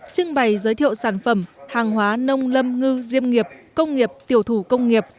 trưng bày giới thiệu sản phẩm hàng hóa nông lâm ngư diêm nghiệp công nghiệp tiểu thủ công nghiệp